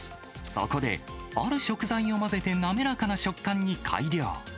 そこで、ある食材を混ぜて滑らかな食感に改良。